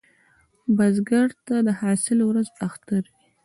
بزګر ته د حاصل ورځ اختر وي